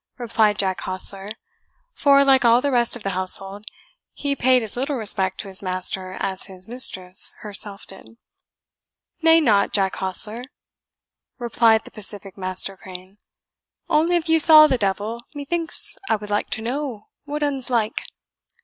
replied Jack Hostler, for, like all the rest of the household, he paid as little respect to his master as his mistress herself did. "Nay, nought, Jack Hostler," replied the pacific Master Crane; "only if you saw the devil, methinks I would like to know what un's like?"